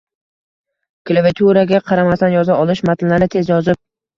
Klaviaturaga qaramasdan yoza olish matnlarni tez yozib